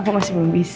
aku masih belum bisa